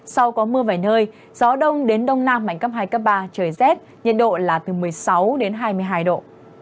sau có mưa vài nơi gió đông đến đông nam mạnh cấp hai cấp ba trời rét nhiệt độ là từ một mươi sáu đến hai mươi hai độ